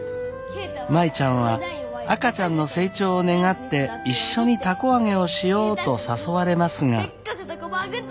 舞ちゃんは赤ちゃんの成長を願って一緒に凧あげをしようと誘われますが。